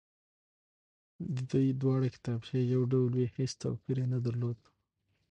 دې دواړې کتابچې يو ډول وې هېڅ توپير يې نه درلود،